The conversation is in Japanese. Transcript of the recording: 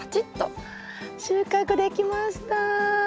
収穫できました。